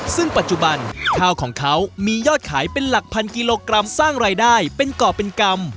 ซึ่งปัจจุบันข้าวของเขามียอดขายเป็นหลักพันกิโลกรัมสร้างรายได้เป็นก่อเป็นกรรม